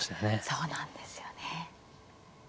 そうなんですよね。